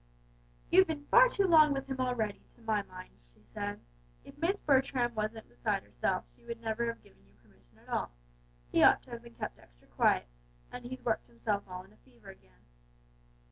"You've been far too long with him already, to my mind," she said; "if Miss Bertram wasn't beside herself she would never have given you permission at all; he ought to have been kept extra quiet, and he's worked himself all in a fever again."